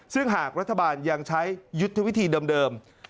ซึ่งหากรัฐบาลยังใช้ยุทธวิธีเดิม